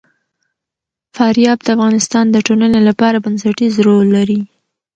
فاریاب د افغانستان د ټولنې لپاره بنسټيز رول لري.